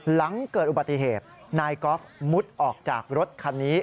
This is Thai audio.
หลังเกิดอุบัติเหตุนายกอล์ฟมุดออกจากรถคันนี้